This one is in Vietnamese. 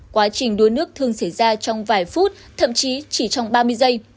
quá trình đuối nước thường xảy ra trong vài phút thậm chí chỉ trong ba mươi giây